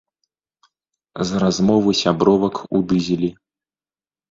З размовы сябровак у дызелі.